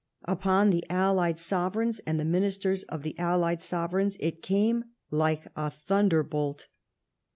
Upon the allied sovereigns, and the ministers of tlie allied sovereigns, it came like a thunderbolt.